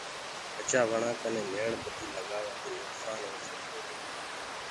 ٻِچآوڻآ ڪني ميڻ بتي لگآوآ دي نڪسآن هو سڪدو هي۔